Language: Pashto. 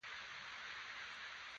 حاجي اغا شېرین هم راغلی و.